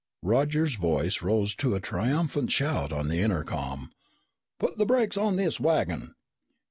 Roger's voice rose to a triumphant shout on the intercom. "Put the brakes on this wagon!"